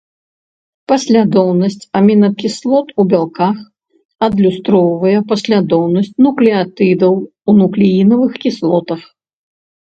Паслядоўнасць амінакіслот у бялках адлюстроўвае паслядоўнасць нуклеатыдаў у нуклеінавых кіслотах.